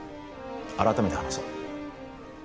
改めて話そう。